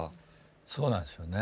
そうなんですよね。